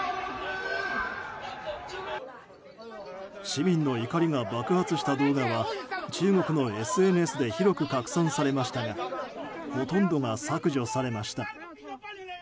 市民の怒りが爆発した動画は中国のＳＮＳで広く拡散されましたがほとんどが削除されました。